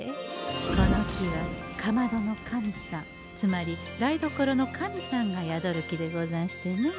この木はかまどの神さんつまり台所の神さんが宿る木でござんしてねえ。